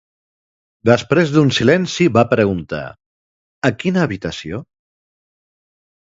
Després d'un silenci va preguntar "A quina habitació?"